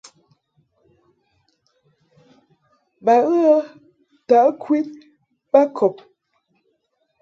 Ba ghə ntaʼ ŋkwin ma kɔb.